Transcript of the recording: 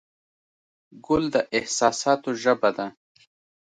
ګل د احساساتو ژبه ده.